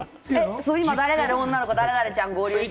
今、女の子、誰々ちゃん合流。